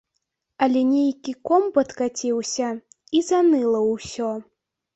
Але нейкі ком падкаціўся, і заныла ўсё.